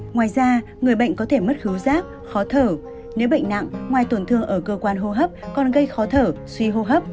ngoài ra người bệnh có thể mất hữu rác khó thở nếu bệnh nặng ngoài tổn thương ở cơ quan hô hấp còn gây khó thở suy hô hấp